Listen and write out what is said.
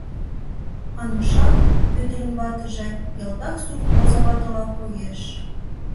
Анушат, Пӧтырын ватыже, ялтак сурт озаватыла коеш.